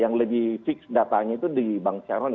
yang lebih fix datanya itu di bank caroni